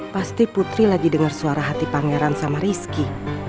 pasti putri lagi denger suara hati pangeran sama risky